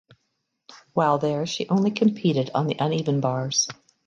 While there she only competed on the uneven bars.